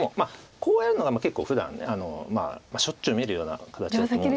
こうやるのが結構ふだんしょっちゅう見るような形だと思う。